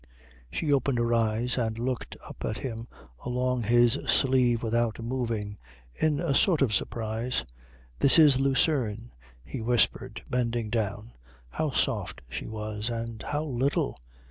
She opened her eyes and looked up at him along his sleeve without moving, in a sort of surprise. "This is Lucerne," he whispered, bending down; how soft she was, and how little!